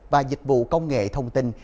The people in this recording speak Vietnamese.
và dịch vụ công nghệ thông tin